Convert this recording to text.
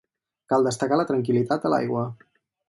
Cal destacar la tranquil·litat de l'aigua.